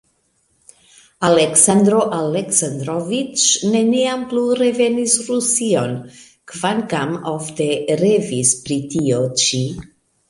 Aleksandro Aleksandroviĉ neniam plu revenis Rusion, kvankam ofte revis pri tio ĉi.